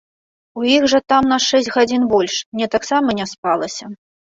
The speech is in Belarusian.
У іх жа там на шэсць гадзін больш, мне таксама не спалася.